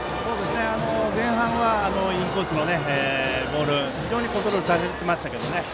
前半はインコースのボール非常にコントロールされてましたけどね。